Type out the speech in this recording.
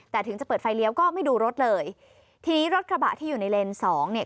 แต่ถึงจะเปิดไฟเลี้ยวก็ไม่ดูรถเลยทีนี้รถกระบะที่อยู่ในเลนส์สองเนี่ย